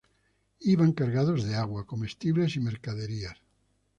Iban cargados de agua, comestibles y mercaderías.